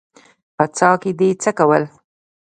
_په څاه کې دې څه کول؟